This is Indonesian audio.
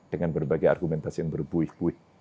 dengan berbagai argumentasi yang berbuih buih